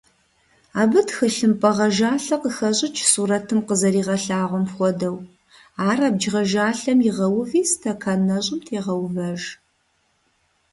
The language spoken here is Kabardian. Абы тхылъымпӀэ гъэжалъэ къыхэщӀыкӀ, сурэтым къызэригъэлъагъуэм хуэдэу, ар абдж гъэжалъэм игъэуви стэкан нэщӀым тегъэувэж.